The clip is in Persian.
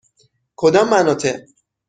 کدام مناطق؟